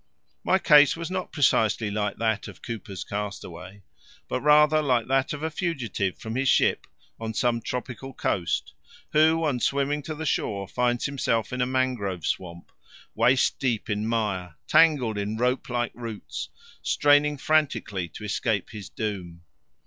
My case was not precisely like that of Cooper's Castaway, but rather like that of a fugitive from his ship on some tropical coast who, on swimming to the shore, finds himself in a mangrove swamp, waist deep in mire, tangled in rope like roots, straining frantically to escape his doom.